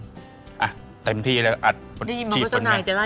อำเงินเต็มที่แล้วอัดชีพคนไงไม่อย่างนั้นสิเขาดีมากเลย